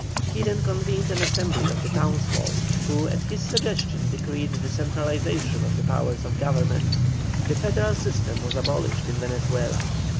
He then convened an assembly of the townsfolk, who at his suggestion decreed the centralization of the powers of government. The federal system was abolished in Venezuela.